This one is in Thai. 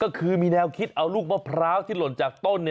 ก็คือมีแนวคิดเอาลูกมะพร้าวที่หล่นจากต้น